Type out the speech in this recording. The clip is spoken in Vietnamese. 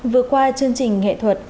vừa qua chương trình nghệ thuật